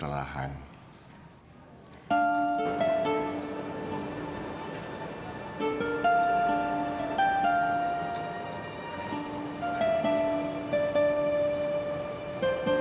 terima kasih pak